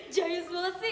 jaya suara sih